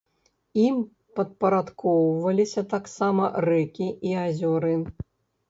Ім падпарадкоўваліся таксама рэкі і азёры.